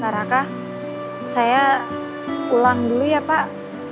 raka saya pulang dulu ya pak